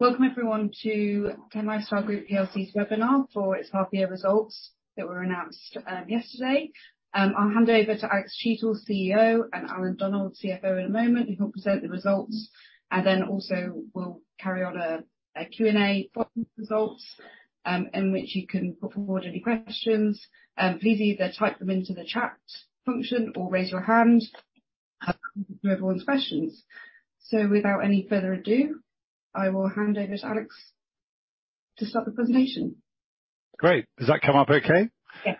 Welcome everyone to Ten Lifestyle Group plc's webinar for its half year results that were announced yesterday. I'll hand over to Alex Cheatle, CEO, and Alan Donald, CFO, in a moment who will present the results. Then also we'll carry on a Q&A for results in which you can put forward any questions. Please either type them into the chat function or raise your hand. I'll come to everyone's questions. Without any further ado, I will hand over to Alex to start the presentation. Great. Does that come up okay? Yes.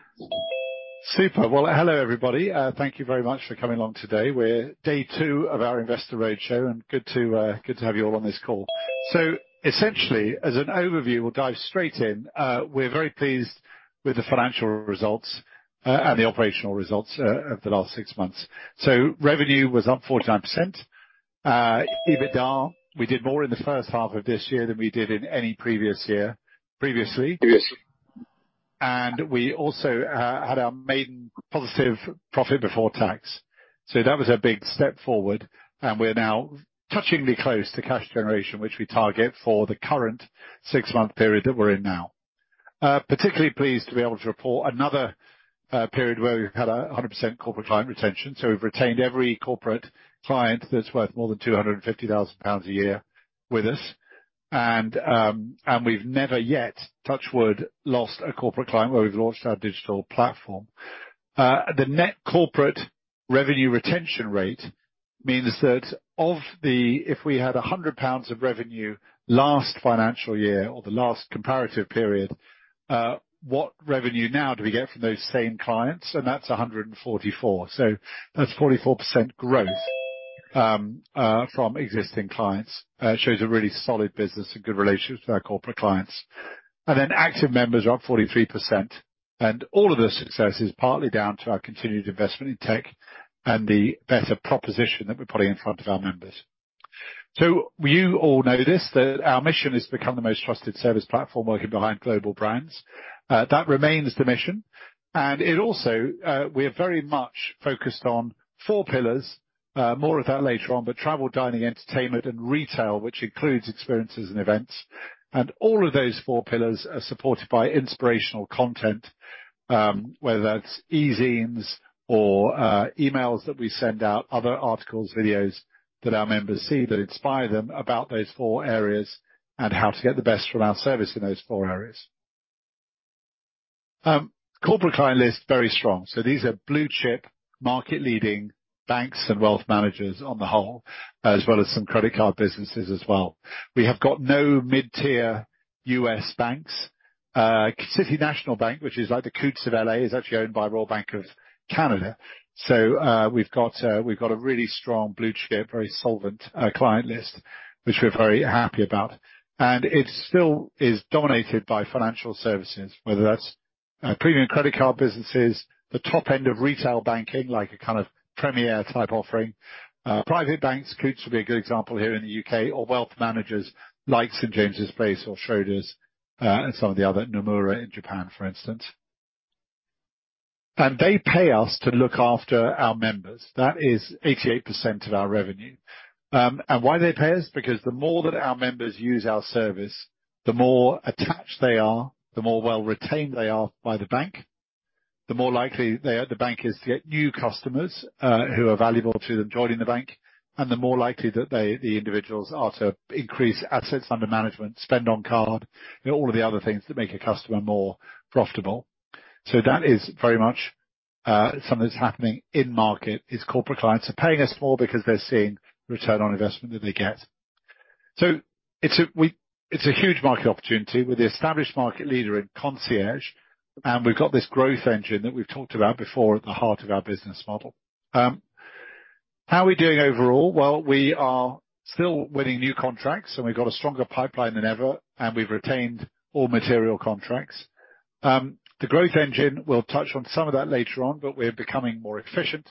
Super. Well, hello everybody. Thank you very much for coming along today. We're day two of our investor roadshow, good to have you all on this call. Essentially, as an overview, we'll dive straight in. We're very pleased with the financial results and the operational results of the last six months. Revenue was up 49%. EBITDA, we did more in the first half of this year than we did in any previous year, previously. We also had our maiden positive profit before tax. That was a big step forward, and we're now touchingly close to cash generation, which we target for the current six-month period that we're in now. Particularly pleased to be able to report another period where we've had a 100% corporate client retention. We've retained every corporate client that's worth more than 250,000 pounds a year with us. We've never yet, touch wood, lost a corporate client where we've launched our digital platform. The net corporate revenue retention rate means that if we had 100 pounds of revenue last financial year or the last comparative period, what revenue now do we get from those same clients? That's 144. That's 44% growth from existing clients. It shows a really solid business and good relationships with our corporate clients. Active members are up 43%. All of the success is partly down to our continued investment in tech and the better proposition that we're putting in front of our members. You all know this, that our mission is to become the most trusted service platform working behind global brands. That remains the mission. It also, we are very much focused on four pillars. More of that later on, but travel, dining, entertainment, and retail, which includes experiences and events. All of those four pillars are supported by inspirational content, whether that's e-zines or emails that we send out, other articles, videos that our members see that inspire them about those four areas and how to get the best from our service in those four areas. Corporate client list, very strong. These are blue chip, market leading banks and wealth managers on the whole, as well as some credit card businesses as well. We have got no mid-tier U.S. banks. City National Bank, which is like the Coutts of L.A., is actually owned by Royal Bank of Canada. We've got a really strong blue chip, very solvent client list, which we're very happy about. It still is dominated by financial services, whether that's premium credit card businesses, the top end of retail banking, like a kind of premier type offering, private banks, Coutts would be a good example here in the UK, or wealth managers like St. James's Place or Schroders, and some of the other, Nomura in Japan, for instance. They pay us to look after our members. That is 88% of our revenue. Why they pay us? The more that our members use our service, the more attached they are, the more well retained they are by the bank, the more likely the bank is to get new customers, who are valuable to them joining the bank, and the more likely that they, the individuals, are to increase assets under management, spend on card, and all of the other things that make a customer more profitable. That is very much something that's happening in market, is corporate clients are paying us more because they're seeing return on investment that they get. It's a huge market opportunity. We're the established market leader in concierge. We've got this growth engine that we've talked about before at the heart of our business model. How are we doing overall? We are still winning new contracts, we've got a stronger pipeline than ever, we've retained all material contracts. The growth engine, we'll touch on some of that later on, we're becoming more efficient,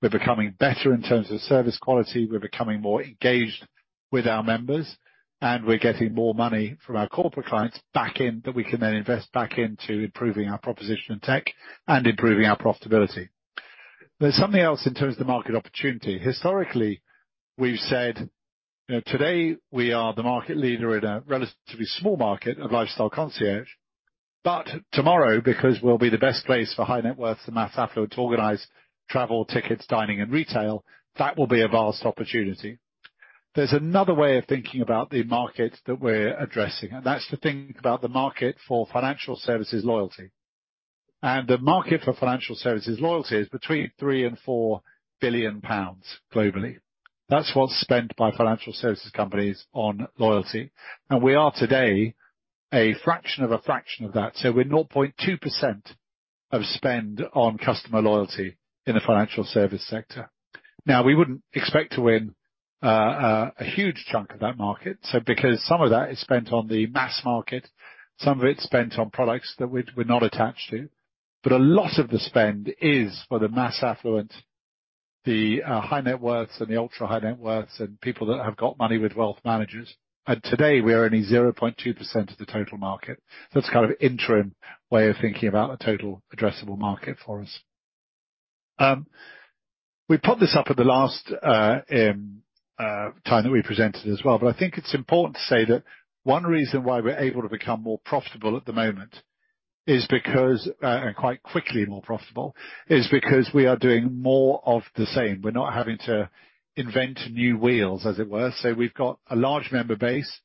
we're becoming better in terms of service quality, we're becoming more engaged with our members, we're getting more money from our corporate clients that we can then invest back into improving our proposition in tech and improving our profitability. There's something else in terms of market opportunity. Historically, we've said, you know, today we are the market leader in a relatively small market of lifestyle concierge, tomorrow, because we'll be the best place for high net worth to mass affluent to organize travel, tickets, dining, and retail, that will be a vast opportunity. There's another way of thinking about the market that we're addressing, and that's the thing about the market for financial services loyalty. The market for financial services loyalty is between 3 billion-4 billion pounds globally. That's what's spent by financial services companies on loyalty. We are today a fraction of a fraction of that. We're 0.2% of spend on customer loyalty in the financial service sector. We wouldn't expect to win a huge chunk of that market. Because some of that is spent on the mass market, some of it's spent on products that we're not attached to, but a lot of the spend is for the mass affluent, the high net worth and the ultra-high net worth and people that have got money with wealth managers. Today, we are only 0.2% of the total market. It's kind of interim way of thinking about the total addressable market for us. We put this up at the last time that we presented as well, but I think it's important to say that one reason why we're able to become more profitable at the moment is because, and quite quickly more profitable, is because we are doing more of the same. We're not having to invent new wheels, as it were. We've got a large member base.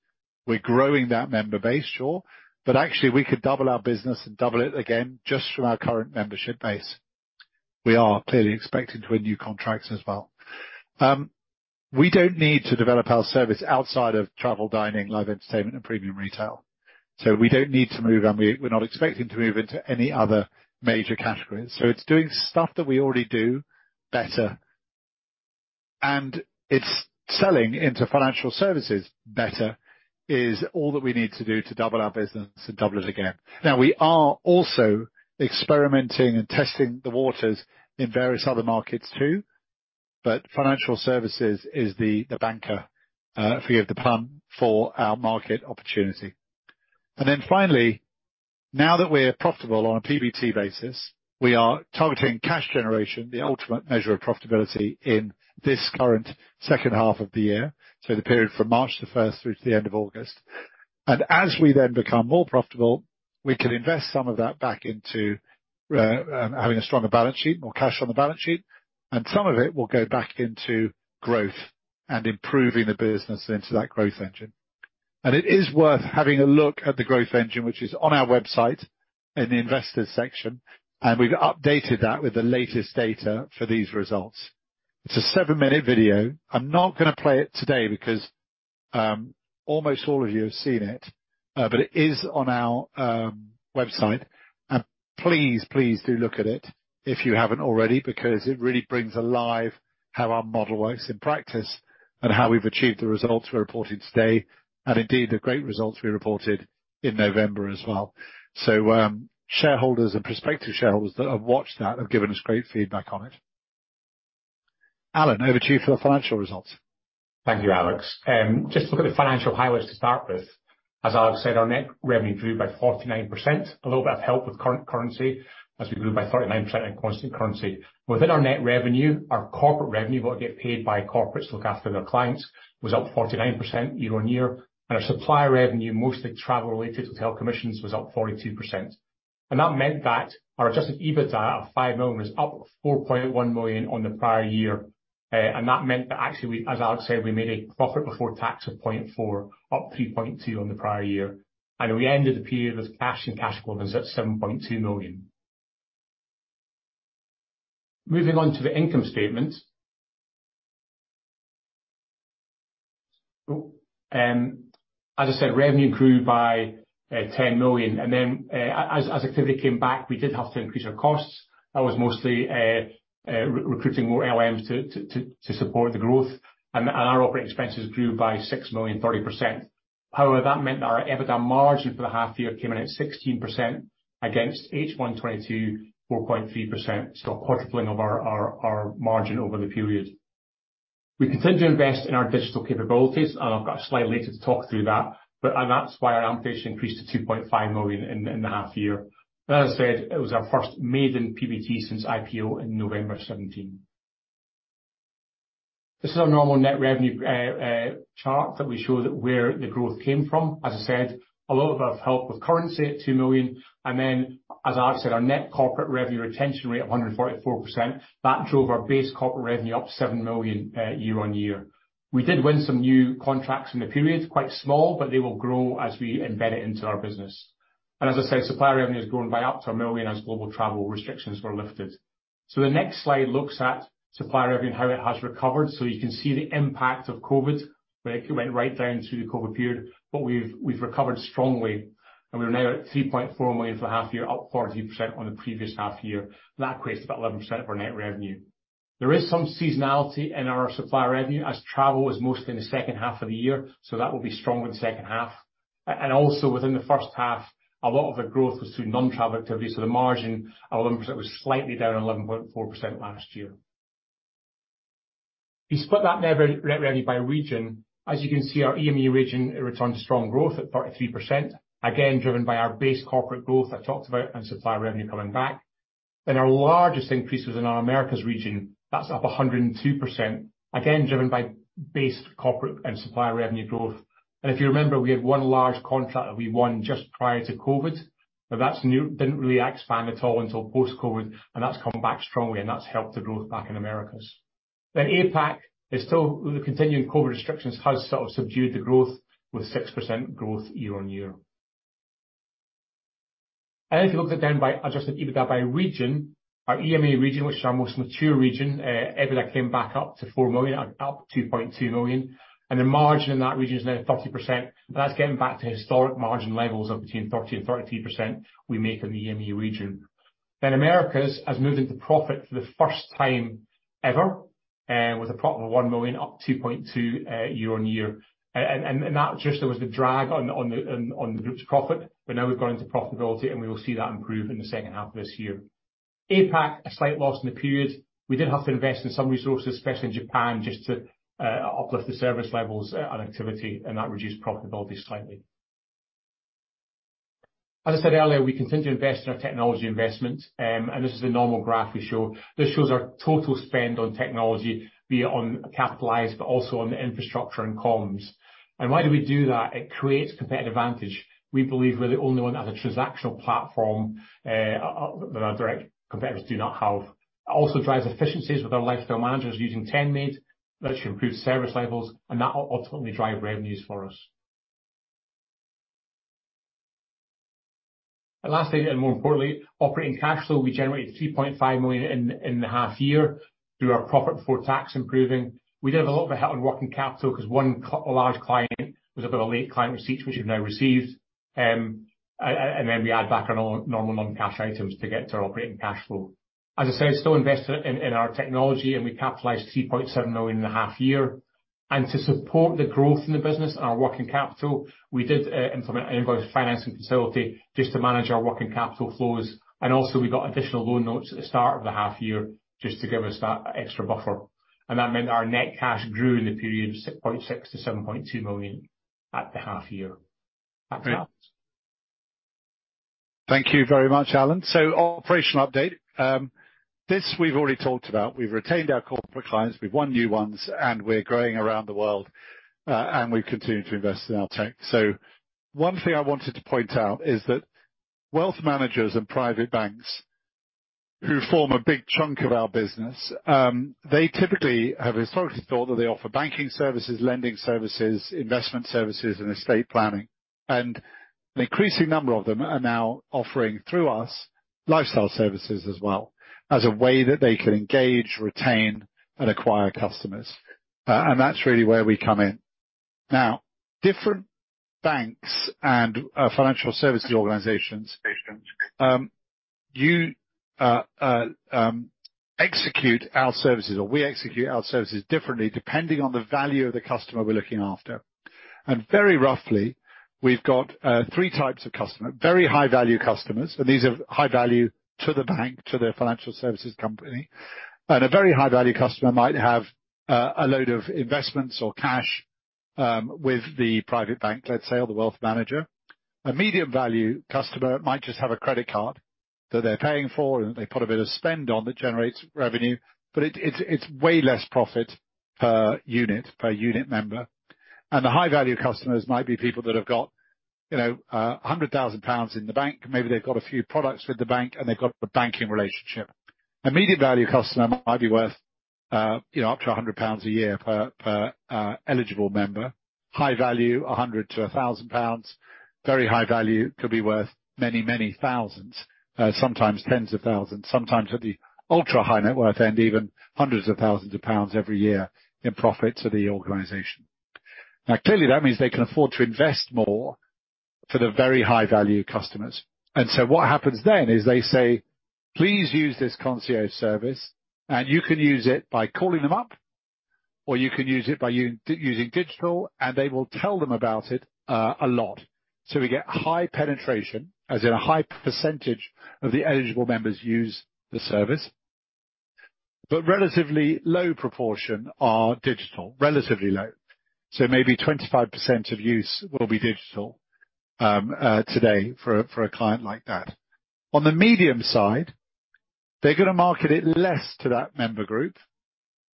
We're growing that member base, sure. Actually we could double our business and double it again just from our current membership base. We are clearly expecting to win new contracts as well. We don't need to develop our service outside of travel, dining, live entertainment, and premium retail. We don't need to move, and we're not expecting to move into any other major categories. It's doing stuff that we already do better, and it's selling into financial services better is all that we need to do to double our business and double it again. We are also experimenting and testing the waters in various other markets too, but financial services is the banker, forgive the pun, for our market opportunity. Finally, now that we're profitable on a PBT basis, we are targeting cash generation, the ultimate measure of profitability in this current second half of the year, so the period from March the first through to the end of August. As we then become more profitable, we can invest some of that back into having a stronger balance sheet, more cash on the balance sheet, and some of it will go back into growth and improving the business into that growth engine. It is worth having a look at the growth engine, which is on our website in the investors section, and we've updated that with the latest data for these results. It's a 7-minute video. I'm not gonna play it today because almost all of you have seen it, but it is on our website. Please, please do look at it if you haven't already, because it really brings alive how our model works in practice and how we've achieved the results we're reporting today, and indeed, the great results we reported in November as well. Shareholders and prospective shareholders that have watched that have given us great feedback on it. Alan, over to you for the financial results. Thank you, Alex. Just look at the financial highlights to start with. As Alex said, our net revenue grew by 49%, a little bit of help with currency as we grew by 39% in constant currency. Within our net revenue, our corporate revenue, what we get paid by corporates to look after their clients, was up 49% year-on-year. Our supplier revenue, mostly travel-related hotel commissions, was up 42%. That meant that our adjusted EBITDA of 5 million was up 4.1 million on the prior year. That meant that actually, we, as Alex said, we made a profit before tax of 0.4, up 3.2 on the prior year. We ended the period with cash and cash equivalents at 7.2 million. Moving on to the income statement. As I said, revenue grew by 10 million. As activity came back, we did have to increase our costs. That was mostly recruiting more LMs to support the growth. Our operating expenses grew by 6 million, 30%. That meant that our EBITDA margin for the half year came in at 16% against H1 2022 4.3%. A quadrupling of our margin over the period. We continue to invest in our digital capabilities, and I've got a slide later to talk through that, but that's why our amortisation increased to 2.5 million in the half year. As I said, it was our first maiden PBT since IPO in November 2017. This is our normal net revenue chart that we show that where the growth came from. As I said, a little bit of help with currency at 2 million. As Alex said, our net corporate revenue retention rate of 144%, that drove our base corporate revenue up 7 million year-on-year. We did win some new contracts in the period, quite small, but they will grow as we embed it into our business. As I said, supplier revenue has grown by up to 1 million as global travel restrictions were lifted. The next slide looks at supplier revenue and how it has recovered. You can see the impact of COVID, where it went right down through the COVID period. We've recovered strongly. We're now at 3.4 million for the half year, up 40% on the previous half year. That equates to about 11% of our net revenue. There is some seasonality in our supplier revenue as travel was mostly in the second half of the year, so that will be strong in the second half. Also within the first half, a lot of the growth was through non-travel activities. The margin of 11% was slightly down 11.4% last year. We split that net revenue by region. You can see, our EMEA region returned to strong growth at 33%, again, driven by our base corporate growth I talked about and supplier revenue coming back. Our largest increase was in our Americas region. That's up 102%, again, driven by base corporate and supplier revenue growth. If you remember, we had one large contract that we won just prior to COVID, but that's new, didn't really expand at all until post-COVID, and that's come back strongly, and that's helped the growth back in Americas. APAC is still with the continuing COVID restrictions, has sort of subdued the growth with 6% growth year-on-year. If you look at down by adjusted EBITDA by region, our EMEA region, which is our most mature region, EBITDA came back up to 4 million and up 2.2 million. The margin in that region is now 30%, but that's getting back to historic margin levels of between 30%-33% we make in the EMEA region. Americas has moved into profit for the first time ever, with a profit of 1 million up 2.2 year-on-year. That just was the drag on the group's profit. Now we've gone into profitability, we will see that improve in the second half of this year. APAC, a slight loss in the period. We did have to invest in some resources, especially in Japan, just to uplift the service levels and activity, and that reduced profitability slightly. As I said earlier, we continue to invest in our technology investments, and this is the normal graph we show. This shows our total spend on technology, be it on capitalized but also on the infrastructure and comms. Why do we do that? It creates competitive advantage. We believe we're the only one as a transactional platform that our direct competitors do not have. It also drives efficiencies with our Lifestyle Managers using TenMaid, which improves service levels, and that will ultimately drive revenues for us. Lastly, and more importantly, operating cash flow. We generated 3.5 million in the half year through our PBT improving. We did have a lot of help in working capital because one large client was a bit of a late client receipts which we've now received. Then we add back on our normal non-cash items to get to our operating cash flow. As I said, still invested in our technology, and we capitalized 3.7 million in the half year. To support the growth in the business and our working capital, we did implement an invoice financing facility just to manage our working capital flows. Also we got additional loan notes at the start of the half year just to give us that extra buffer. That meant our net cash grew in the period 6.6 million-7.2 million at the half year. That's all. Thank you very much, Alan. Operational update. This we've already talked about. We've retained our corporate clients, we've won new ones, and we're growing around the world, and we've continued to invest in our tech. One thing I wanted to point out is that wealth managers and private banks who form a big chunk of our business, they typically have historically thought that they offer banking services, lending services, investment services, and estate planning. An increasing number of them are now offering through us lifestyle services as well as a way that they can engage, retain, and acquire customers. That's really where we come in. Now, different banks and financial services organizations, you execute our services or we execute our services differently depending on the value of the customer we're looking after. Very roughly, we've got three types of customers. Very high-value customers, and these are high value to the bank, to their financial services company. A very high-value customer might have a load of investments or cash with the private bank, let's say, or the wealth manager. A medium value customer might just have a credit card that they're paying for and they put a bit of spend on that generates revenue, but it's way less profit per unit, per unit member. The high-value customers might be people that have got, you know, 100,000 pounds in the bank, maybe they've got a few products with the bank, and they've got the banking relationship. A medium value customer might be worth, you know, up to 100 pounds a year per eligible member. High value, 100-1,000 pounds. Very high value could be worth many thousands, sometimes tens of thousands, sometimes at the ultra-high net worth and even hundreds of thousands of pounds every year in profit to the organization. Clearly, that means they can afford to invest more for the very high-value customers. What happens then is they say, "Please use this concierge service, and you can use it by calling them up, or you can use it by using digital, and they will tell them about it a lot." We get high penetration, as in a high percentage of the eligible members use the service, but relatively low proportion are digital. Relatively low. Maybe 25% of use will be digital today for a client like that. On the medium side, they're gonna market it less to that member group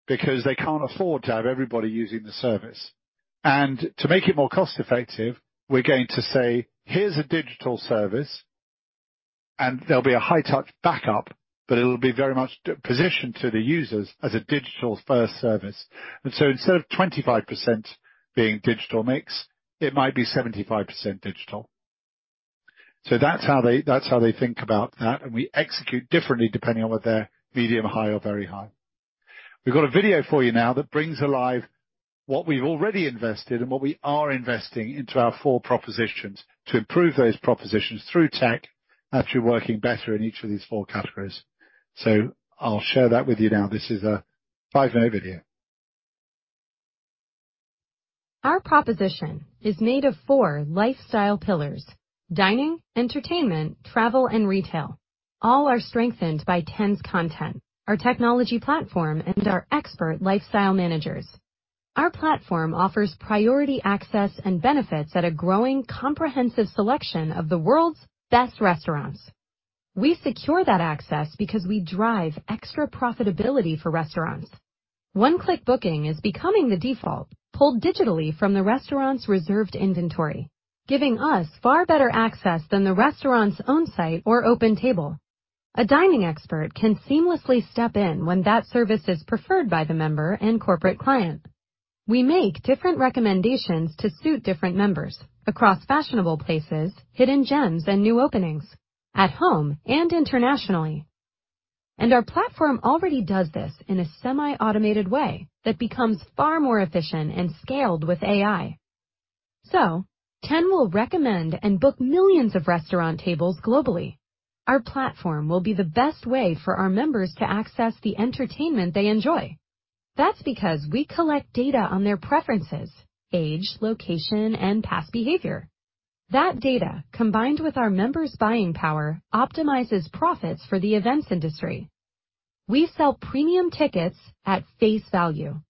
because they can't afford to have everybody using the service. To make it more cost-effective, we're going to say, "Here's a digital service, and there'll be a high touch backup," but it'll be very much positioned to the users as a digital-first service. Instead of 25% being digital mix, it might be 75% digital. That's how they think about that, and we execute differently depending on whether they're medium, high, or very high. We've got a video for you now that brings alive what we've already invested and what we are investing into our 4 propositions to improve those propositions through tech, actually working better in each of these 4 categories. I'll share that with you now. This is a 5-minute video. Our proposition is made of four lifestyle pillars: dining, entertainment, travel and retail. All are strengthened by Ten's content, our technology platform and our expert lifestyle managers. Our platform offers priority access and benefits at a growing comprehensive selection of the world's best restaurants. We secure that access because we drive extra profitability for restaurants. One-click booking is becoming the default, pulled digitally from the restaurant's reserved inventory, giving us far better access than the restaurant's own site or OpenTable. A dining expert can seamlessly step in when that service is preferred by the member and corporate client. We make different recommendations to suit different members across fashionable places, hidden gems and new openings, at home and internationally. Our platform already does this in a semi-automated way that becomes far more efficient and scaled with AI. Ten will recommend and book millions of restaurant tables globally. Our platform will be the best way for our members to access the entertainment they enjoy. That's because we collect data on their preferences, age, location, and past behavior. That data, combined with our members' buying power, optimizes profits for the events industry. We sell premium tickets at face value.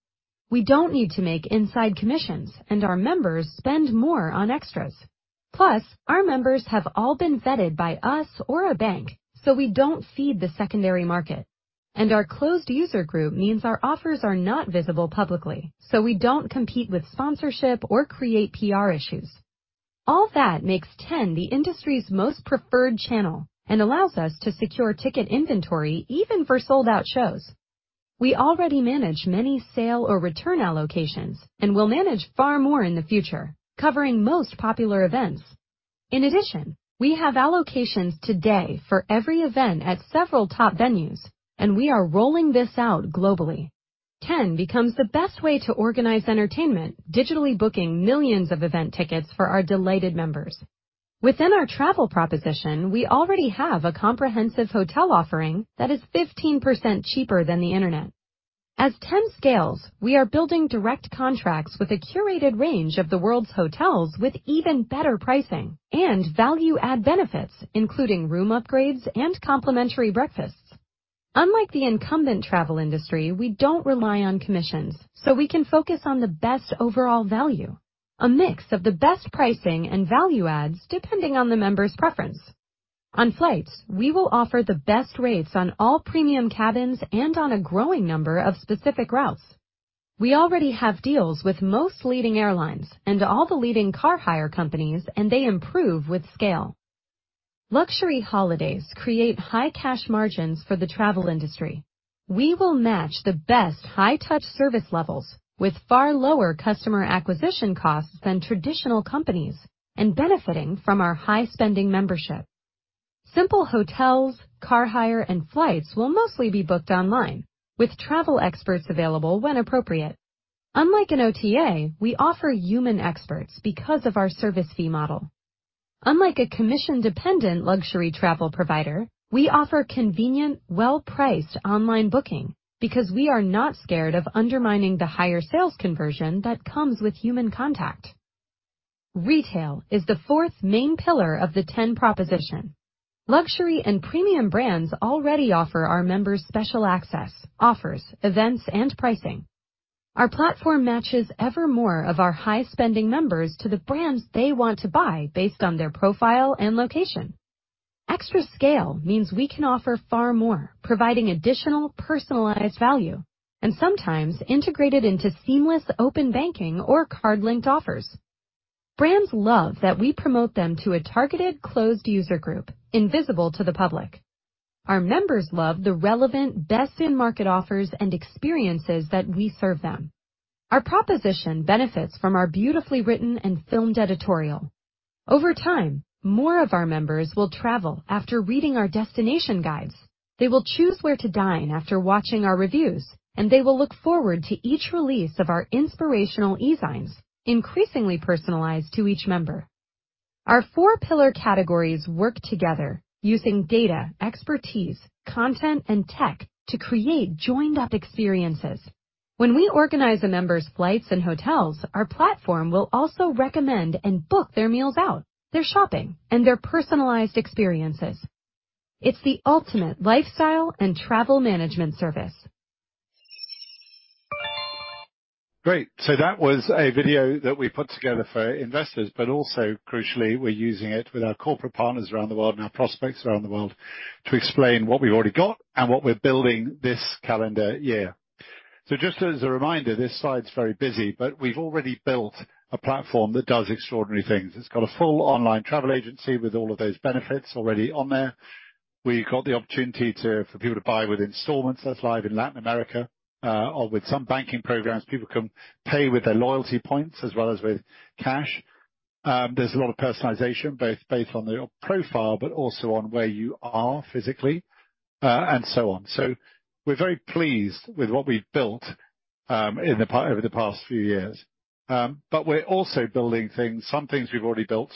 We don't need to make inside commissions, and our members spend more on extras. Plus, our members have all been vetted by us or a bank, so we don't seed the secondary market. Our closed user group means our offers are not visible publicly, so we don't compete with sponsorship or create PR issues. All that makes Ten the industry's most preferred channel and allows us to secure ticket inventory even for sold-out shows. We already manage many sale or return allocations and will manage far more in the future. Covering most popular events. In addition, we have allocations today for every event at several top venues, and we are rolling this out globally. Ten becomes the best way to organize entertainment, digitally booking millions of event tickets for our delighted members. Within our travel proposition, we already have a comprehensive hotel offering that is 15% cheaper than the Internet. As Ten scales, we are building direct contracts with a curated range of the world's hotels with even better pricing and value add benefits, including room upgrades and complimentary breakfasts. Unlike the incumbent travel industry, we don't rely on commissions, so we can focus on the best overall value, a mix of the best pricing and value adds depending on the member's preference. On flights, we will offer the best rates on all premium cabins and on a growing number of specific routes. We already have deals with most leading airlines and all the leading car hire companies. They improve with scale. Luxury holidays create high cash margins for the travel industry. We will match the best high-touch service levels with far lower customer acquisition costs than traditional companies and benefiting from our high-spending membership. Simple hotels, car hire, and flights will mostly be booked online with travel experts available when appropriate. Unlike an OTA, we offer human experts because of our service fee model. Unlike a commission-dependent luxury travel provider, we offer convenient, well-priced online booking because we are not scared of undermining the higher sales conversion that comes with human contact. Retail is the fourth main pillar of the Ten proposition. Luxury and premium brands already offer our members special access, offers, events, and pricing. Our platform matches ever more of our high-spending members to the brands they want to buy based on their profile and location. Extra scale means we can offer far more, providing additional personalized value and sometimes integrated into seamless Open Banking or card-linked offers. Brands love that we promote them to a targeted closed user group, invisible to the public. Our members love the relevant, best in-market offers and experiences that we serve them. Our proposition benefits from our beautifully written and filmed editorial. Over time, more of our members will travel after reading our destination guides. They will choose where to dine after watching our reviews, and they will look forward to each release of our inspirational ezines, increasingly personalized to each member. Our four pillar categories work together using data, expertise, content and tech to create joined-up experiences. When we organize the members flights and hotels, our platform will also recommend and book their meals out, their shopping, and their personalized experiences. It's the ultimate lifestyle and travel management service. Great. That was a video that we put together for investors, but also crucially, we're using it with our corporate partners around the world and our prospects around the world to explain what we've already got and what we're building this calendar year. Just as a reminder, this slide's very busy, but we've already built a platform that does extraordinary things. It's got a full online travel agency with all of those benefits already on there. We've got the opportunity for people to buy with installments. That's live in Latin America. With some banking programs, people can pay with their loyalty points as well as with cash. There's a lot of personalization, both based on your profile, but also on where you are physically, and so on. We're very pleased with what we've built over the past few years. We're also building things. Some things we've already built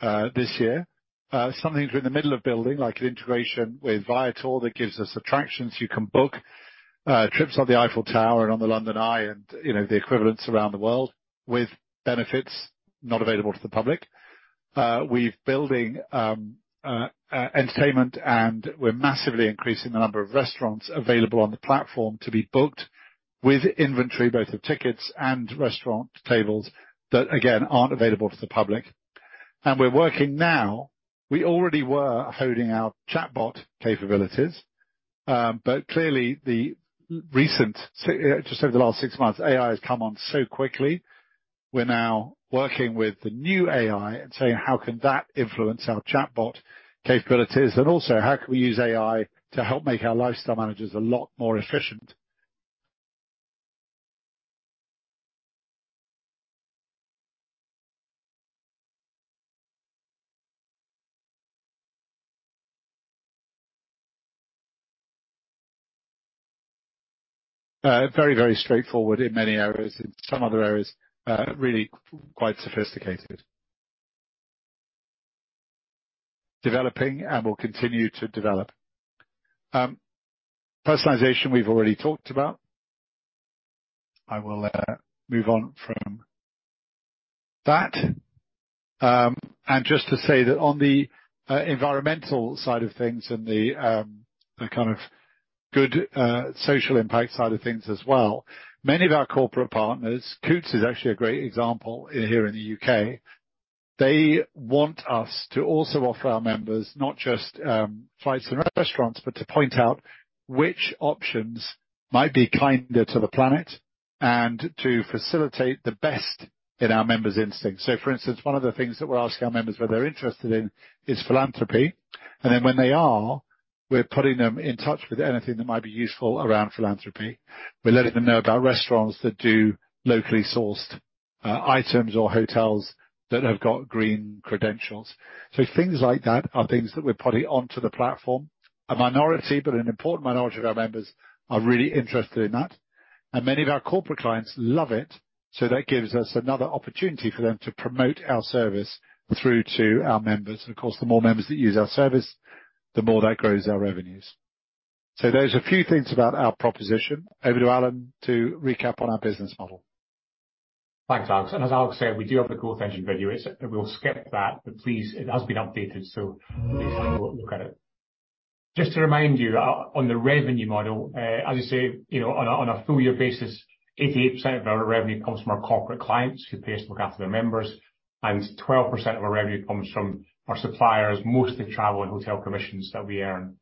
this year. Some things we're in the middle of building, like an integration with Viator that gives us attractions you can book. Trips on the Eiffel Tower and on the London Eye and, you know, the equivalents around the world with benefits not available to the public. We're building entertainment, and we're massively increasing the number of restaurants available on the platform to be booked with inventory, both of tickets and restaurant tables that again, aren't available to the public. We're working now. We already were holding our chatbot capabilities, but clearly just over the last six months, AI has come on so quickly. We're now working with the new AI and saying, how can that influence our chatbot capabilities? Also, how can we use AI to help make our lifestyle managers a lot more efficient? Very, very straightforward in many areas. In some other areas, really quite sophisticated. Developing and will continue to develop. Personalization, we've already talked about. I will move on from that. Just to say that on the environmental side of things and the kind of good social impact side of things as well, many of our corporate partners, Coutts is actually a great example here in the UK. They want us to also offer our members not just flights and restaurants, but to point out which options might be kinder to the planet and to facilitate the best in our members' instincts. For instance, one of the things that we're asking our members whether they're interested in is philanthropy. When they are, we're putting them in touch with anything that might be useful around philanthropy. We're letting them know about restaurants that do locally sourced items or hotels that have got green credentials. Things like that are things that we're putting onto the platform. A minority, but an important minority of our members are really interested in that, and many of our corporate clients love it, so that gives us another opportunity for them to promote our service through to our members. Of course, the more members that use our service, the more that grows our revenues. There's a few things about our proposition. Over to Alan to recap on our business model. Thanks, Alex. As Alex said, we do have the growth engine video. We'll skip that, please, it has been updated, so please have a look at it. Just to remind you, on the revenue model, as I say, you know, on a full year basis, 88% of our revenue comes from our corporate clients who pay us to look after their members, 12% of our revenue comes from our suppliers, mostly travel and hotel commissions that we earn.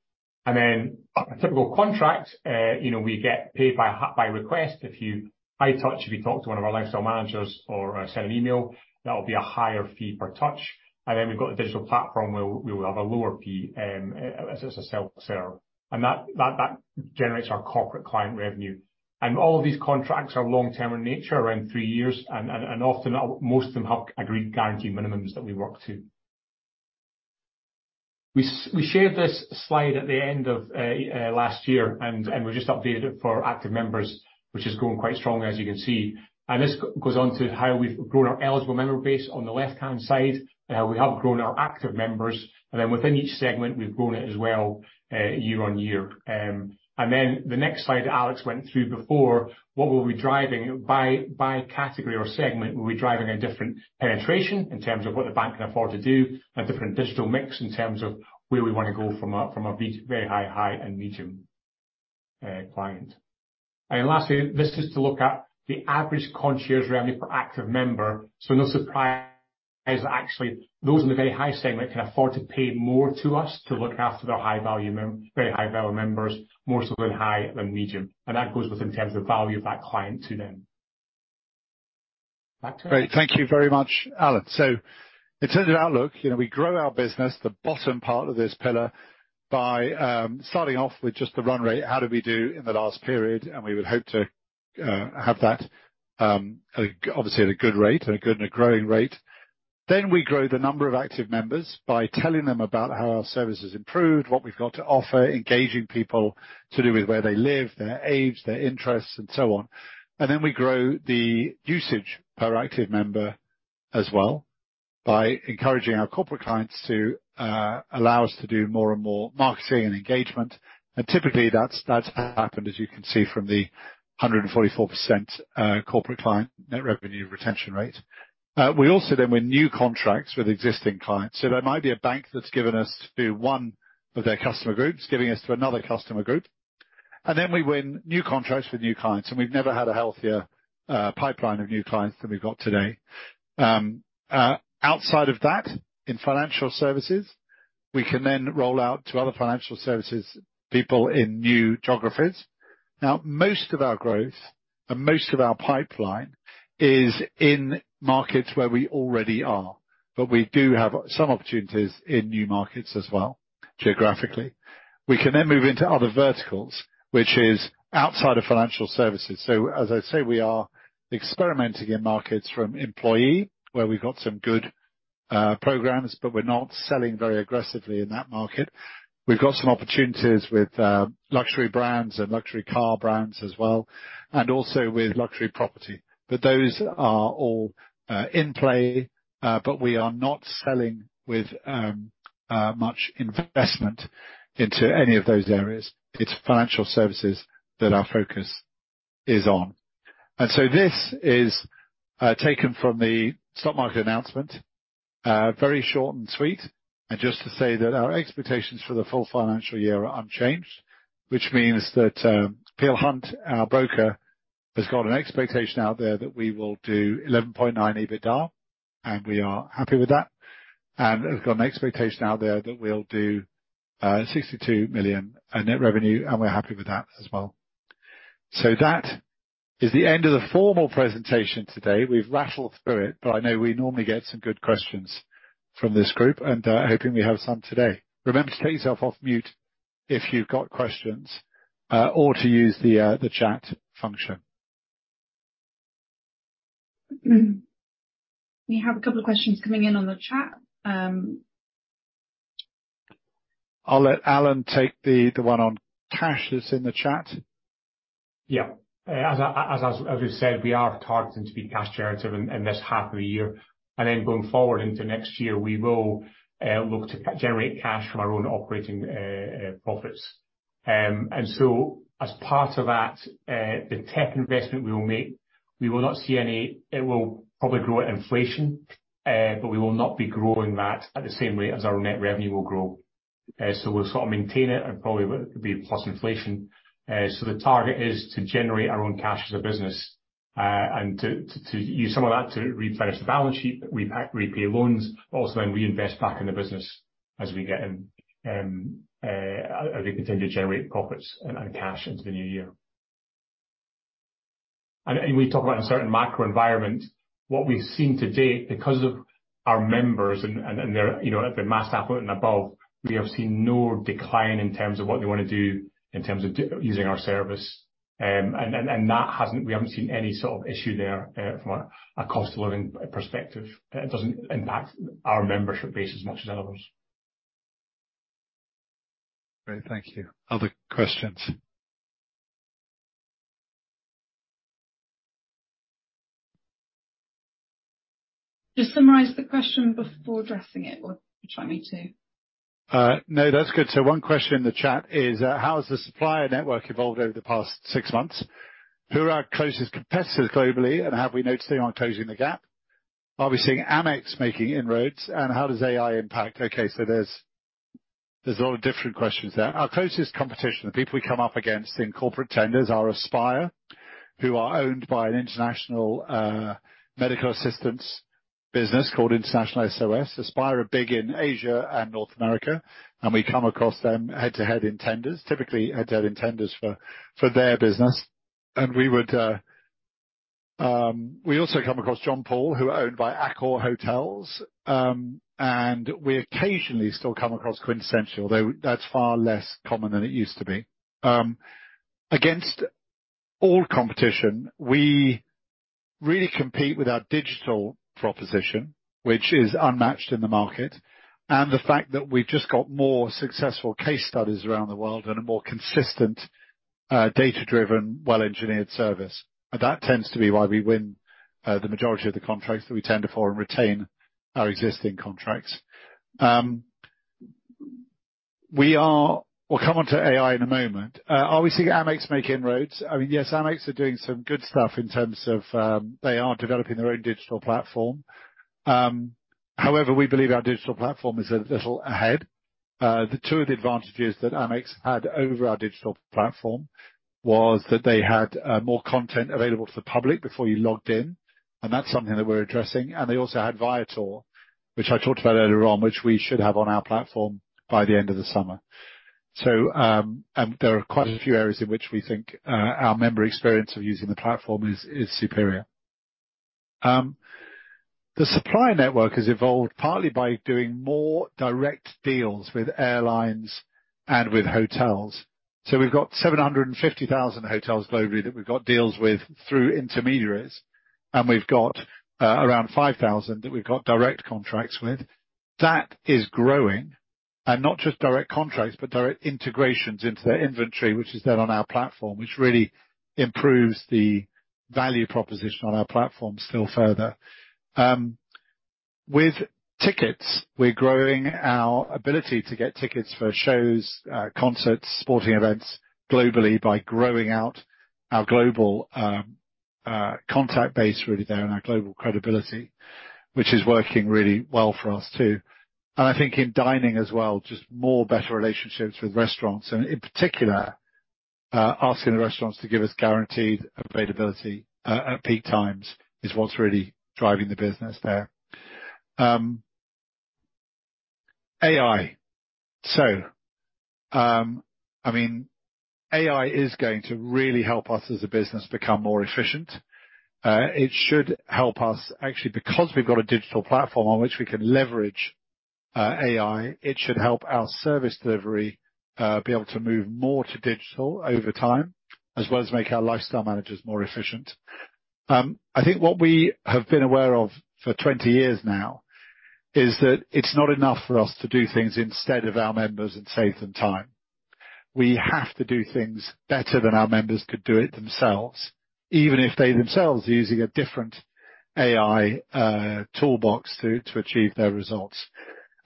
On a typical contract, you know, we get paid by request. If you high touch, if you talk to one of our lifestyle managers or send an email, that'll be a higher fee per touch. We've got the digital platform where we will have a lower fee, as it's a self-serve. That generates our corporate client revenue. All of these contracts are long-term in nature, around 3 years and often most of them have agreed guarantee minimums that we work to. We shared this slide at the end of last year, and we've just updated it for active members, which is growing quite strongly, as you can see. This goes on to how we've grown our eligible member base on the left-hand side. We have grown our active members, and then within each segment, we've grown it as well, year-on-year. Then the next slide Alex went through before, what we'll be driving by category or segment, we'll be driving a different penetration in terms of what the bank can afford to do and different digital mix in terms of where we wanna go from a, from a very high, high and medium, client. Lastly, this is to look at the average concierge revenue per active member. No surprise, actually, those in the very high segment can afford to pay more to us to look after their very high value members, more so than high and medium. That goes with in terms of value of that client to them. Back to Alex. Great. Thank you very much, Alan. In terms of outlook, you know, we grow our business, the bottom part of this pillar, by starting off with just the run rate, how did we do in the last period? We would hope to have that obviously at a good rate and a good and a growing rate. We grow the number of active members by telling them about how our service has improved, what we've got to offer, engaging people to do with where they live, their age, their interests and so on. We grow the usage per active member as well by encouraging our corporate clients to allow us to do more and more marketing and engagement. Typically, that's happened, as you can see, from the 144% corporate client net revenue retention rate. We also win new contracts with existing clients. There might be a bank that's given us to do one of their customer groups, giving us to another customer group. We win new contracts with new clients, and we've never had a healthier pipeline of new clients than we've got today. Outside of that, in financial services, we can roll out to other financial services people in new geographies. Most of our growth and most of our pipeline is in markets where we already are, but we do have some opportunities in new markets as well, geographically. We can move into other verticals, which is outside of financial services. As I say, we are experimenting in markets from employee, where we've got some good programs, but we're not selling very aggressively in that market. We've got some opportunities with luxury brands and luxury car brands as well, and also with luxury property. Those are all in play, but we are not selling with much investment into any of those areas. It's financial services that our focus is on. This is taken from the stock market announcement, very short and sweet. Just to say that our expectations for the full financial year are unchanged, which means that Peel Hunt, our broker, has got an expectation out there that we will do 11.9 EBITDA, and we are happy with that. Has got an expectation out there that we'll do 62 million net revenue, and we're happy with that as well. That is the end of the formal presentation today. We've rattled through it, but I know we normally get some good questions from this group, and hoping we have some today. Remember to take yourself off mute if you've got questions, or to use the chat function. We have a couple of questions coming in on the chat. I'll let Alan take the one on cash that's in the chat. As I, as we've said, we are targeting to be cash generative in this half of the year. Going forward into next year, we will look to generate cash from our own operating profits. As part of that, the tech investment we will make. We will not see any. It will probably grow at inflation, but we will not be growing that at the same rate as our net revenue will grow. We'll sort of maintain it and probably it could be plus inflation. The target is to generate our own cash as a business and to use some of that to replenish the balance sheet. We pay, repay loans, also and reinvest back in the business as we get as we continue to generate profits and cash into the new year. We talk about a certain macro environment. What we've seen to date, because of our members and their, you know, at the mass affluent and above, we have seen no decline in terms of what they wanna do in terms of using our service. We haven't seen any sort of issue there from a cost of living perspective. It doesn't impact our membership base as much as others. Great, thank you. Other questions? Just summarize the question before addressing it, or do you want me to? No, that's good. One question in the chat is, how has the supplier network evolved over the past 6 months? Who are our closest competitors globally, and have we noticed anyone closing the gap? Are we seeing Amex making inroads, and how does AI impact? There's a lot of different questions there. Our closest competition, the people we come up against in corporate tenders, are Aspire, who are owned by an international medical assistance business called International SOS. Aspire are big in Asia and North America, and we come across them head-to-head in tenders. Typically head-to-head in tenders for their business. We also come across John Paul, who are owned by Accor Hotels, and we occasionally still come across Quintessentially, although that's far less common than it used to be. Against all competition, we really compete with our digital proposition, which is unmatched in the market, and the fact that we've just got more successful case studies around the world and a more consistent, data-driven, well-engineered service. That tends to be why we win, the majority of the contracts that we tender for and retain our existing contracts. We'll come on to AI in a moment. Are we seeing Amex make inroads? I mean, yes, Amex are doing some good stuff in terms of, they are developing their own digital platform. However, we believe our digital platform is a little ahead. The two of the advantages that Amex had over our digital platform was that they had, more content available to the public before you logged in, and that's something that we're addressing. They also had Viator, which I talked about earlier on, which we should have on our platform by the end of the summer. There are quite a few areas in which we think, our member experience of using the platform is superior. The supplier network has evolved partly by doing more direct deals with airlines and with hotels. We've got 750,000 hotels globally that we've got deals with through intermediaries, and we've got, around 5,000 that we've got direct contracts with. That is growing. Not just direct contracts, but direct integrations into their inventory, which is then on our platform, which really improves the value proposition on our platform still further. With tickets, we're growing our ability to get tickets for shows, concerts, sporting events globally by growing out our global contact base really there and our global credibility, which is working really well for us too. I think in dining as well, just more better relationships with restaurants and in particular, asking the restaurants to give us guaranteed availability at peak times is what's really driving the business there. AI. I mean, AI is going to really help us as a business become more efficient. It should help us actually, because we've got a digital platform on which we can leverage AI, it should help our service delivery be able to move more to digital over time, as well as make our Lifestyle Managers more efficient. I think what we have been aware of for 20 years now is that it's not enough for us to do things instead of our members and save them time. We have to do things better than our members could do it themselves, even if they themselves are using a different AI toolbox to achieve their results.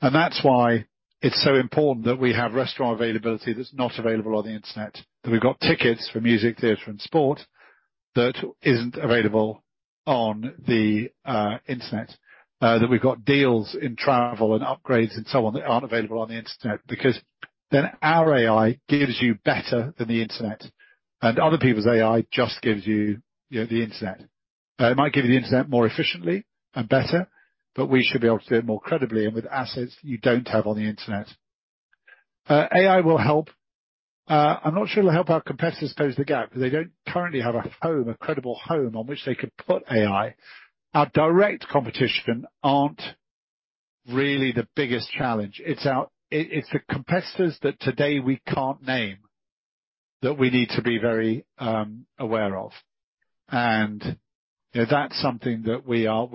That's why it's so important that we have restaurant availability that's not available on the internet. That we've got tickets for music, theater, and sport that isn't available on the internet. That we've got deals in travel and upgrades and so on that aren't available on the internet because then our AI gives you better than the internet and other people's AI just gives you know, the internet. It might give you the internet more efficiently and better, but we should be able to do it more credibly and with assets you don't have on the internet. AI will help. I'm not sure it'll help our competitors close the gap 'cause they don't currently have a home, a credible home on which they could put AI. Our direct competition aren't really the biggest challenge. It's the competitors that today we can't name that we need to be very aware of. You know, that's something that we are...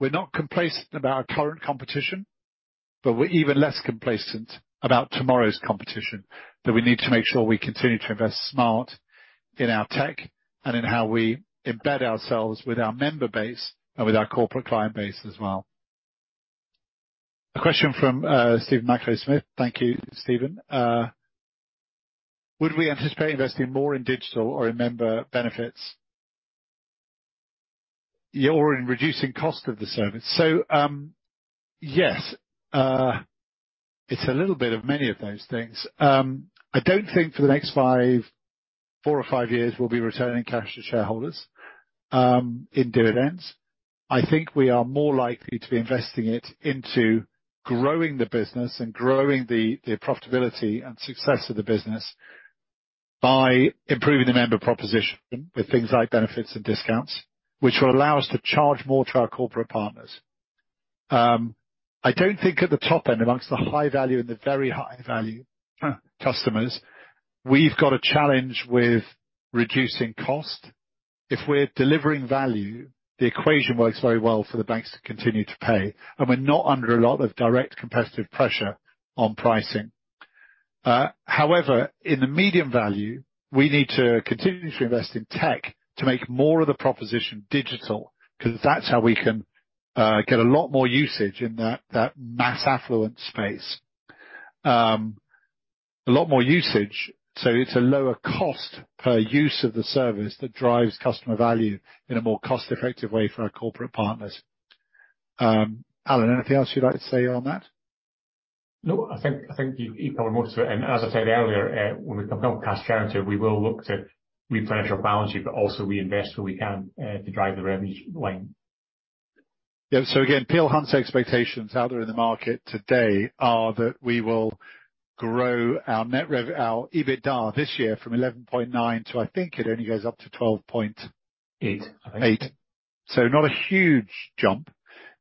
We're not complacent about our current competition, but we're even less complacent about tomorrow's competition, that we need to make sure we continue to invest smart in our tech and in how we embed ourselves with our member base and with our corporate client base as well. A question from Stephen Michael Smith. Thank you, Stephen. Would we anticipate investing more in digital or in member benefits? You're in reducing cost of the service. Yes. It's a little bit of many of those things. I don't think for the next four or five years, we'll be returning cash to shareholders in dividends. I think we are more likely to be investing it into growing the business and growing the profitability and success of the business by improving the member proposition with things like benefits and discounts, which will allow us to charge more to our corporate partners. I don't think at the top end, amongst the high value and the very high value customers, we've got a challenge with reducing cost. If we're delivering value, the equation works very well for the banks to continue to pay, and we're not under a lot of direct competitive pressure on pricing. However, in the medium value, we need to continue to invest in tech to make more of the proposition digital, 'cause that's how we can get a lot more usage in that mass affluent space. A lot more usage, so it's a lower cost per use of the service that drives customer value in a more cost-effective way for our corporate partners. Alan, anything else you'd like to say on that? No, I think, I think you covered most of it. As I said earlier, when we become cash generative, we will look to replenish our balance sheet, but also reinvest where we can, to drive the revenue line. Yeah. Again, Peel Hunt's expectations out there in the market today are that we will grow our EBITDA this year from 11.9 to, I think it only goes up to. Eight, I think. 8. Not a huge jump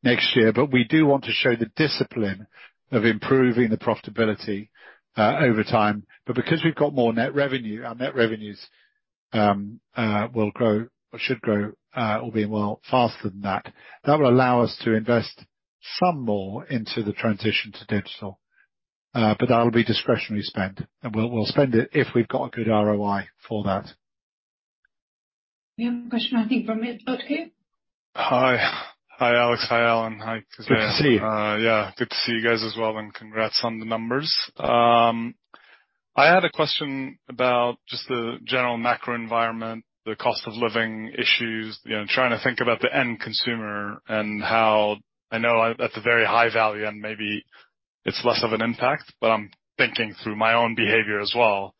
next year, but we do want to show the discipline of improving the profitability over time. Because we've got more net revenue, our net revenues will grow, or should grow, albeit well, faster than that. That will allow us to invest some more into the transition to digital. That'll be discretionary spend, and we'll spend it if we've got a good ROI for that. We have a question, I think, from Hi. Hi, Alex. Hi, Alan. Hi, Kezia. Good to see you. Yeah, good to see you guys as well, congrats on the numbers. I had a question about just the general macro environment, the cost of living issues, you know, trying to think about the end consumer and how I know at the very high value and maybe it's less of an impact, but I'm thinking through my own behavior as well.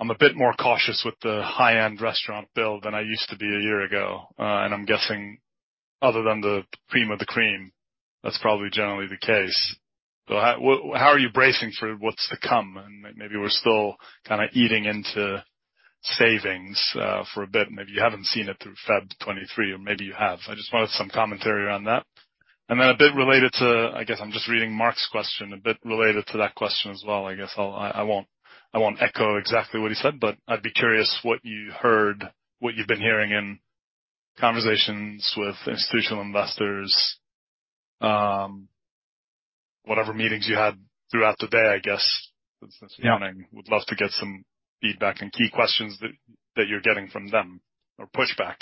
I'm a bit more cautious with the high-end restaurant bill than I used to be a year ago. I'm guessing other than the cream of the cream, that's probably generally the case. How are you bracing for what's to come? Maybe we're still kinda eating into savings for a bit. Maybe you haven't seen it through February 2023, or maybe you have. I just wanted some commentary around that. Then a bit related to, I guess I'm just reading Mark's question, a bit related to that question as well. I guess I won't echo exactly what he said, but I'd be curious what you heard, what you've been hearing in conversations with institutional investors, whatever meetings you had throughout the day. Yeah. Since this morning. Would love to get some feedback and key questions that you're getting from them or pushback.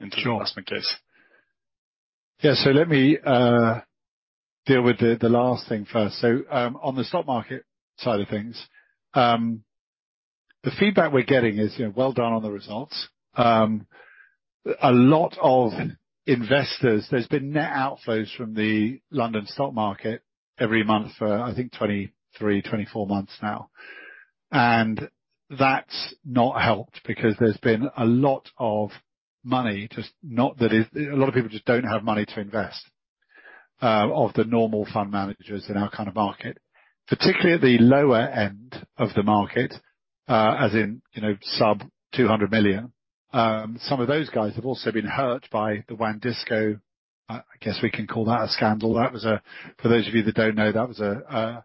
Sure. into the investment case. Let me deal with the last thing first. On the stock market side of things, the feedback we're getting is, you know, well done on the results. A lot of investors, there's been net outflows from the London Stock Market every month for I think 23, 24 months now. That's not helped because there's been a lot of money. A lot of people just don't have money to invest of the normal fund managers in our kind of market. Particularly at the lower end of the market, as in, you know, sub 200 million. Some of those guys have also been hurt by the WANdisco, I guess we can call that a scandal. For those of you that don't know, that was a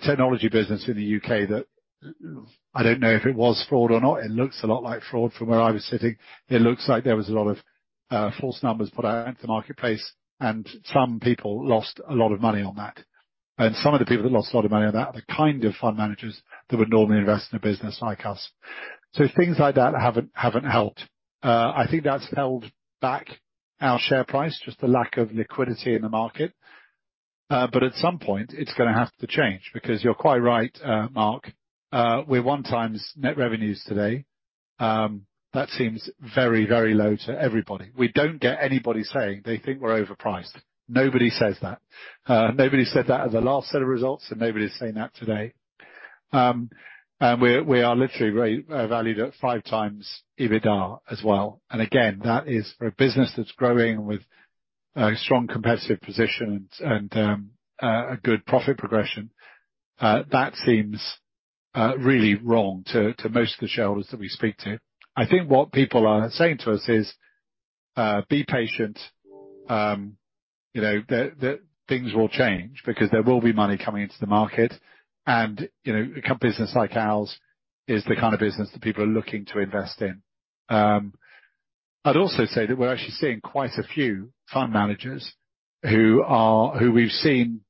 technology business in the UK that I don't know if it was fraud or not. It looks a lot like fraud from where I was sitting. It looks like there was a lot of false numbers put out into the marketplace, and some people lost a lot of money on that. Some of the people that lost a lot of money on that are the kind of fund managers that would normally invest in a business like us. Things like that haven't helped. I think that's held back our share price, just the lack of liquidity in the market. At some point, it's gonna have to change, because you're quite right, Mark, we're 1 times net revenues today. That seems very, very low to everybody. We don't get anybody saying they think we're overpriced. Nobody says that. Nobody said that at the last set of results, and nobody's saying that today. We are literally very, valued at 5 times EBITDA as well. Again, that is for a business that's growing with a strong competitive position and, a good profit progression. That seems really wrong to most of the shareholders that we speak to. I think what people are saying to us is, be patient, you know, that things will change because there will be money coming into the market. You know, a business like ours is the kind of business that people are looking to invest in. I'd also say that we're actually seeing quite a few fund managers who are, who we've seen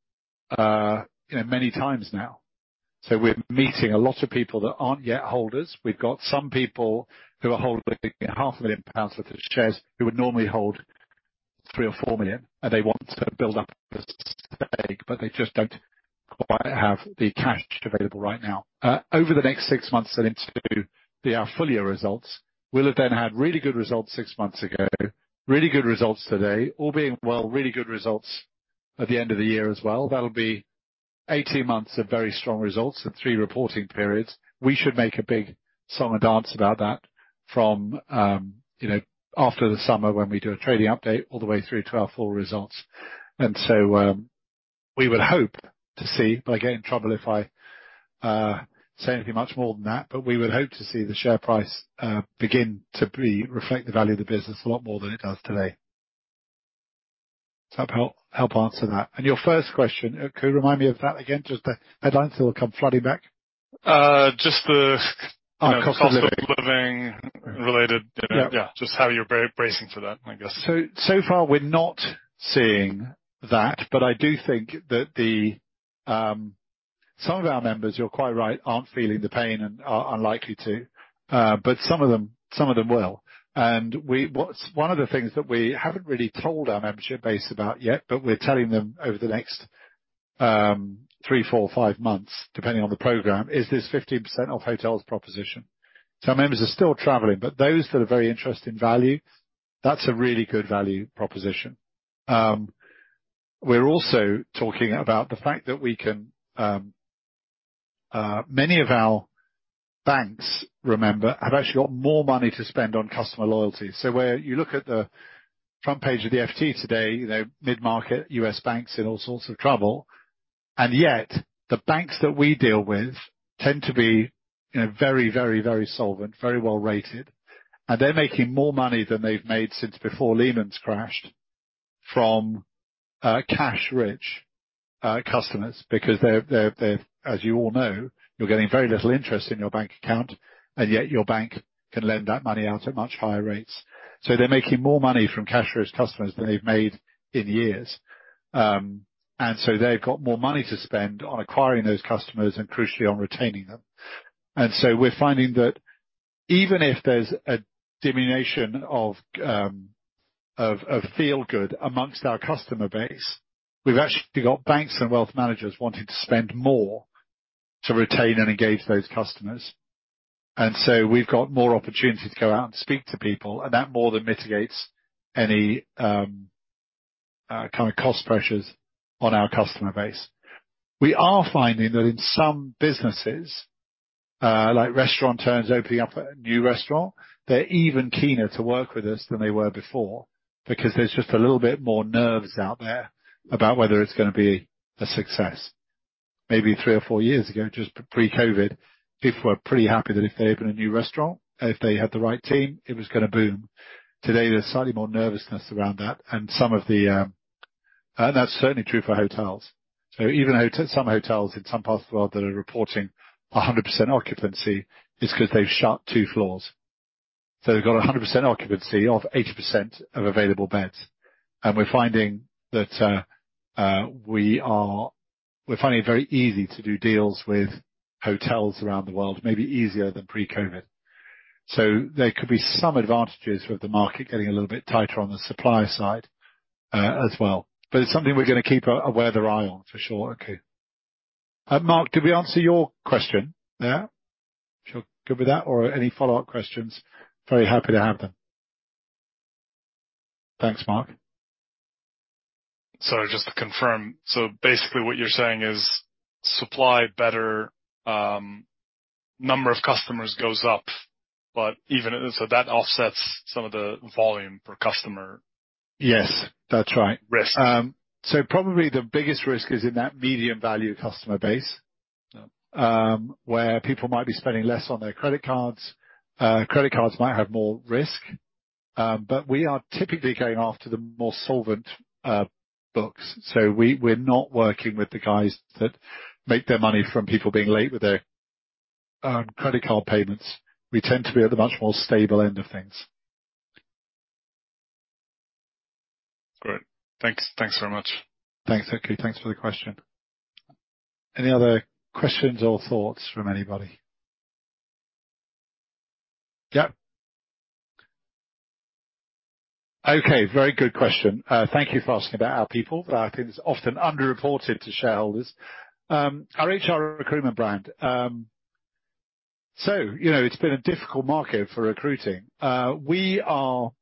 many times now. We're meeting a lot of people that aren't yet holders. We've got some people who are holding half a million GBP of the shares, who would normally hold 3 million-4 million, and they want to build up the stake, but they just don't quite have the cash available right now. Over the next six months and into our full year results, we'll have then had really good results six months ago, really good results today. All being well, really good results at the end of the year as well. That'll be 18 months of very strong results and 3 reporting periods. We should make a big song and dance about that from, you know, after the summer when we do a trading update, all the way through to our full results. We would hope to see, but I get in trouble if I say anything much more than that, but we would hope to see the share price begin to re-reflect the value of the business a lot more than it does today. Does that help answer that? Your first question, could you remind me of that again? Just the headlines, it'll come flooding back. just Cost of living. cost of living related. Yeah. Yeah. Just how you're bracing for that, I guess. So far, we're not seeing that, but I do think that the Some of our members, you're quite right, aren't feeling the pain and are unlikely to, but some of them will. One of the things that we haven't really told our membership base about yet, but we're telling them over the next 3, 4, 5 months, depending on the program, is this 15% off hotels proposition. Some members are still traveling, but those that are very interested in value, that's a really good value proposition. We're also talking about the fact that we can, many of our banks, remember, have actually got more money to spend on customer loyalty. where you look at the front page of the FT today, you know, mid-market US banks in all sorts of trouble, and yet the banks that we deal with tend to be, you know, very, very, very solvent, very well rated. They're making more money than they've made since before Lehman's crashed from cash-rich customers because they're, as you all know, you're getting very little interest in your bank account, and yet your bank can lend that money out at much higher rates. They're making more money from cash-rich customers than they've made in years. They've got more money to spend on acquiring those customers and crucially on retaining them. We're finding that even if there's a diminution of feel good amongst our customer base, we've actually got banks and wealth managers wanting to spend more to retain and engage those customers. We've got more opportunity to go out and speak to people, and that more than mitigates any kind of cost pressures on our customer base. We are finding that in some businesses, like restaurateurs opening up a new restaurant, they're even keener to work with us than they were before because there's just a little bit more nerves out there about whether it's gonna be a success. Maybe three or four years ago, just pre-COVID, people were pretty happy that if they opened a new restaurant, if they had the right team, it was gonna boom. Today, there's slightly more nervousness around that and some of the. That's certainly true for hotels. Even some hotels in some parts of the world that are reporting 100% occupancy is 'cause they've shut 2 floors. They've got 100% occupancy of 80% of available beds. We're finding that we're finding it very easy to do deals with hotels around the world, maybe easier than pre-COVID. There could be some advantages with the market getting a little bit tighter on the supply side as well. It's something we're gonna keep a weather eye on for sure, okay. Mark, did we answer your question there? If you're good with that or any follow-up questions, very happy to have them. Thanks, Mark. Sorry, just to confirm. basically what you're saying is supply better, number of customers goes up, but so that offsets some of the volume per customer- Yes, that's right. -risk. Probably the biggest risk is in that medium value customer base. Yeah... where people might be spending less on their credit cards, credit cards might have more risk. We are typically going after the more solvent, books. We're not working with the guys that make their money from people being late with their credit card payments. We tend to be at the much more stable end of things. Great. Thanks. Thanks very much. Thanks. Okay. Thanks for the question. Any other questions or thoughts from anybody? Yeah. Okay, very good question. Thank you for asking about our people. I think it's often underreported to shareholders. Our HR recruitment brand, you know, it's been a difficult market for recruiting. We are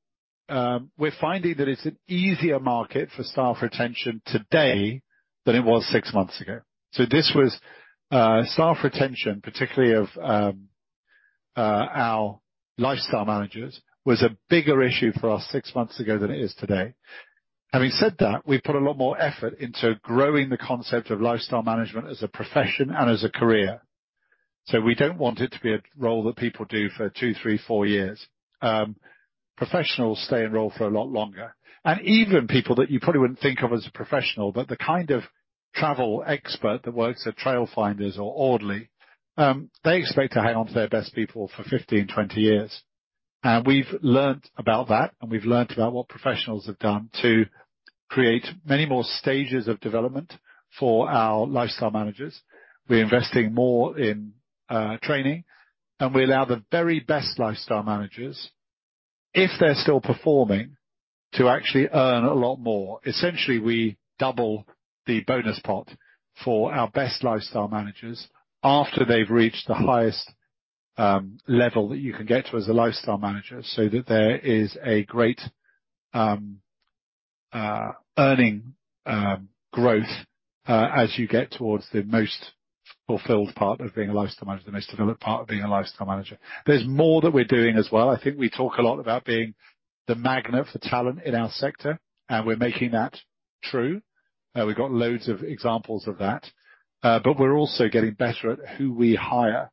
finding that it's an easier market for staff retention today than it was 6 months ago. This was staff retention, particularly of our Lifestyle Managers, was a bigger issue for us 6 months ago than it is today. Having said that, we've put a lot more effort into growing the concept of lifestyle management as a profession and as a career. We don't want it to be a role that people do for 2, 3, 4 years. Professionals stay enrolled for a lot longer. Even people that you probably wouldn't think of as a professional, but the kind of travel expert that works at Trailfinders or Audley, they expect to hang on to their best people for 15, 20 years. We've learned about that, and we've learned about what professionals have done to create many more stages of development for our lifestyle managers. We're investing more in training, and we allow the very best lifestyle managers, if they're still performing, to actually earn a lot more. Essentially, we double the bonus pot for our best lifestyle managers after they've reached the highest level that you can get to as a lifestyle manager, so that there is a great earning growth as you get towards the most fulfilled part of being a lifestyle manager, the most developed part of being a lifestyle manager. There's more that we're doing as well. I think we talk a lot about being the magnet for talent in our sector, and we're making that true. We've got loads of examples of that. We're also getting better at who we hire,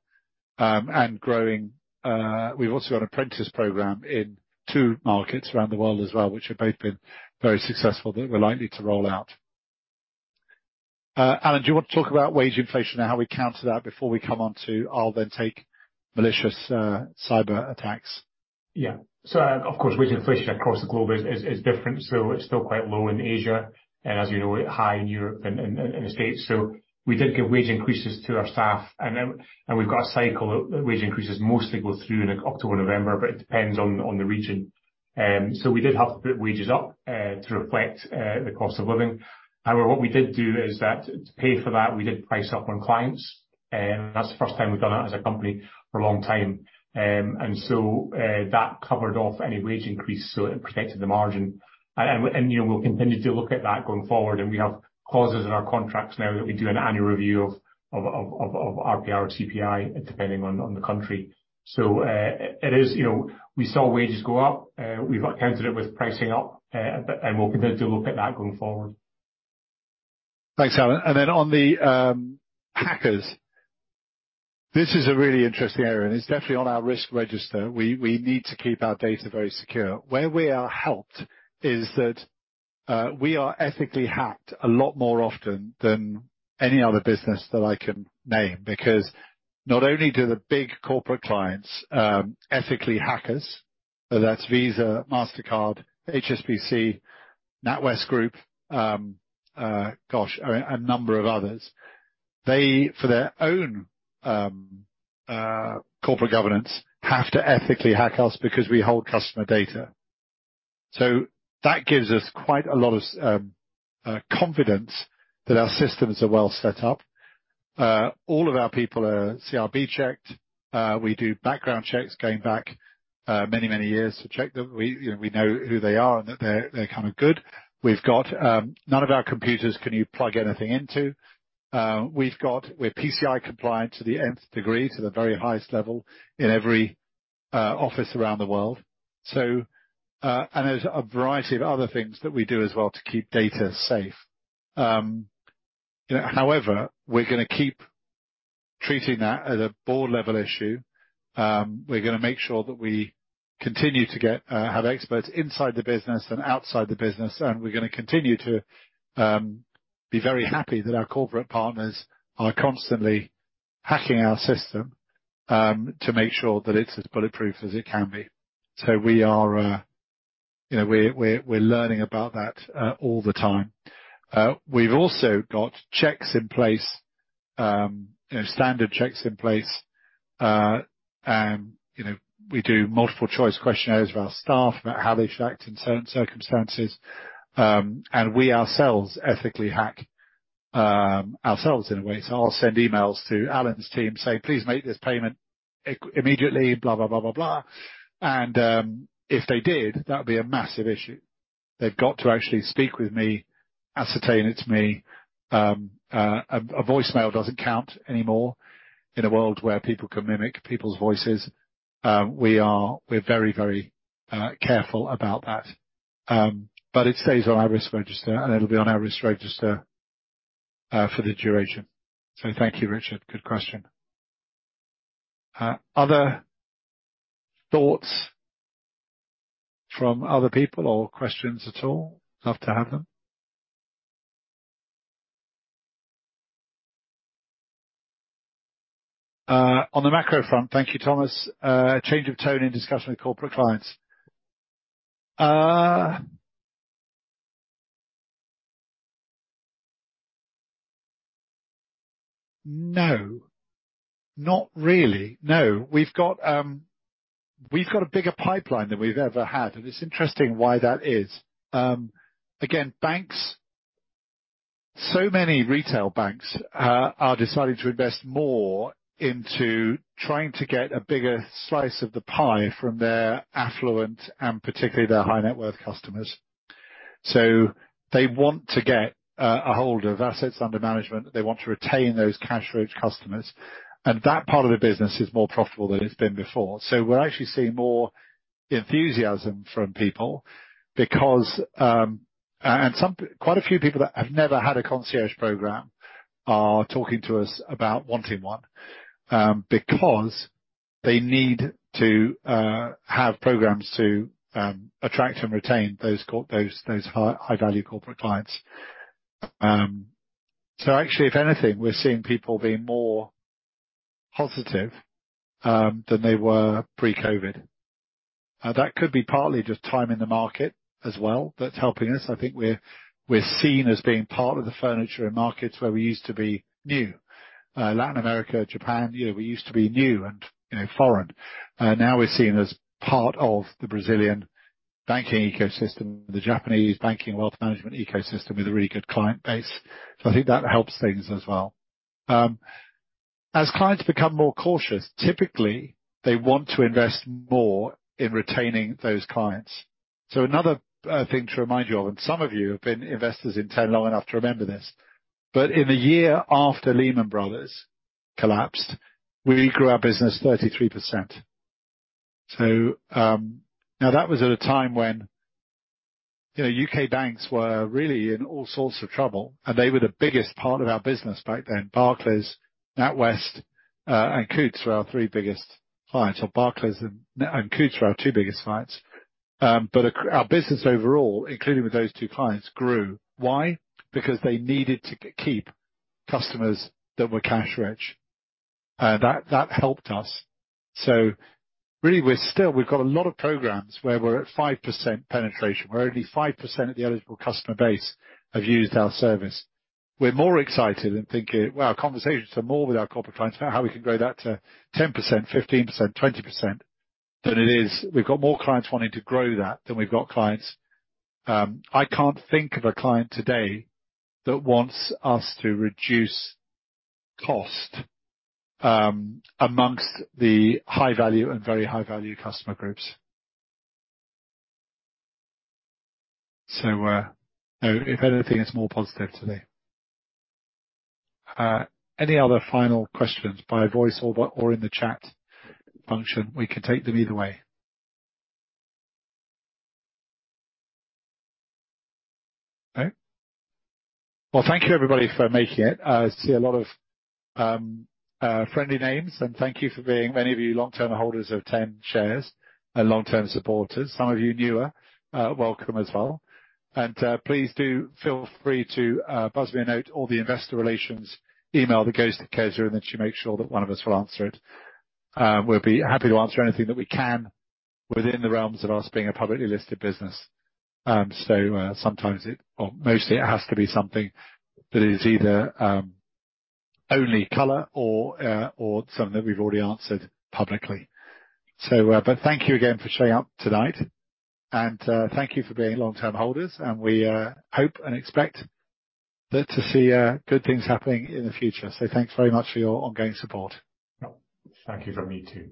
and growing. We've also got an apprentice program in 2 markets around the world as well, which have both been very successful that we're likely to roll out. Alan, do you want to talk about wage inflation and how we counter that before we come onto... I'll then take malicious cyber attacks. Yeah. Of course, wage inflation across the globe is different. It's still quite low in Asia, and as you know, high in Europe and the States. We did give wage increases to our staff. We've got a cycle of wage increases mostly go through in October, November, but it depends on the region. We did have to put wages up to reflect the cost of living. However, what we did do is that to pay for that, we did price up on clients. That's the first time we've done that as a company for a long time. That covered off any wage increase, so it protected the margin. You know, we'll continue to look at that going forward. We have clauses in our contracts now that we do an annual review of RPI or CPI, depending on the country. It is, you know. We saw wages go up. We've countered it with pricing up, but and we'll continue to look at that going forward. Thanks, Alan. On the hackers, this is a really interesting area, and it's definitely on our risk register. We need to keep our data very secure. Where we are helped is that we are ethically hacked a lot more often than any other business that I can name. Not only do the big corporate clients ethically hack us, so that's Visa, Mastercard, HSBC, NatWest Group, gosh, a number of others. They, for their own corporate governance, have to ethically hack us because we hold customer data. That gives us quite a lot of confidence that our systems are well set up. All of our people are CRB checked. We do background checks going back many, many years to check that we, you know, we know who they are and that they're kind of good. We've got. None of our computers can you plug anything into. We're PCI compliant to the nth degree, to the very highest level in every office around the world. There's a variety of other things that we do as well to keep data safe. However, we're gonna keep treating that as a board-level issue. We're gonna make sure that we continue to get, have experts inside the business and outside the business, and we're gonna continue to be very happy that our corporate partners are constantly hacking our system to make sure that it's as bulletproof as it can be. We are, you know, we're learning about that all the time. We've also got checks in place, you know, standard checks in place, you know, we do multiple choice questionnaires with our staff about how they should act in circumstances. We ourselves ethically hack ourselves in a way. I'll send emails to Alan's team saying, "Please make this payment immediately, blah, blah, blah." If they did, that would be a massive issue. They've got to actually speak with me, ascertain it's me. A voicemail doesn't count anymore in a world where people can mimic people's voices. We're very, very careful about that. It stays on our risk register, and it'll be on our risk register for the duration. Thank you, Richard. Good question. Other thoughts from other people or questions at all? Love to have them. On the macro front, thank you, Thomas. Change of tone in discussion with corporate clients. No. Not really, no. We've got a bigger pipeline than we've ever had, and it's interesting why that is. Again, banks, so many retail banks are deciding to invest more into trying to get a bigger slice of the pie from their affluent and particularly their high-net-worth customers. They want to get a hold of assets under management. They want to retain those cash-rich customers. That part of the business is more profitable than it's been before. We're actually seeing more enthusiasm from people because... Quite a few people that have never had a concierge program are talking to us about wanting one, because they need to have programs to attract and retain those high-value corporate clients. Actually, if anything, we're seeing people being more positive than they were pre-COVID. That could be partly just time in the market as well that's helping us. I think we're seen as being part of the furniture in markets where we used to be new. Latin America, Japan, you know, we used to be new and, you know, foreign. Now we're seen as part of the Brazilian banking ecosystem, the Japanese banking wealth management ecosystem with a really good client base. I think that helps things as well. As clients become more cautious, typically, they want to invest more in retaining those clients. Another thing to remind you of, and some of you have been investors in TEN long enough to remember this, but in the year after Lehman Brothers collapsed, we grew our business 33%. Now, that was at a time when, you know, U.K. banks were really in all sorts of trouble, and they were the biggest part of our business back then. Barclays, NatWest, and Coutts were our three biggest clients. Barclays and Coutts were our two biggest clients. But our business overall, including with those two clients, grew. Why? Because they needed to keep customers that were cash rich. That helped us. Really we've got a lot of programs where we're at 5% penetration, where only 5% of the eligible customer base have used our service. We're more excited and thinking. Well, our conversations are more with our corporate clients about how we can grow that to 10%, 15%, 20% We've got more clients wanting to grow that than we've got clients. I can't think of a client today that wants us to reduce cost amongst the high-value and very high-value customer groups. If anything, it's more positive today. Any other final questions by voice over or in the chat function? We can take them either way. No? Well, thank you, everybody, for making it. I see a lot of friendly names, and thank you for being, many of you, long-term holders of TEN shares and long-term supporters. Some of you newer, welcome as well. Please do feel free to buzz me a note or the investor relations email that goes to Kezia, and then she makes sure that one of us will answer it. We'll be happy to answer anything that we can within the realms of us being a publicly listed business. Sometimes it or mostly, it has to be something that is either only color or or something that we've already answered publicly. Thank you again for showing up tonight. Thank you for being long-term holders, and we hope and expect that to see good things happening in the future. Thanks very much for your ongoing support. Thank you from me too.